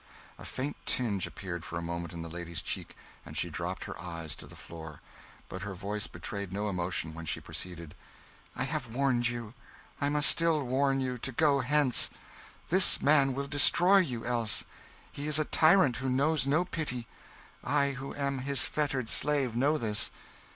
A faint tinge appeared for a moment in the lady's cheek, and she dropped her eyes to the floor; but her voice betrayed no emotion when she proceeded "I have warned you I must still warn you to go hence. This man will destroy you, else. He is a tyrant who knows no pity. I, who am his fettered slave, know this.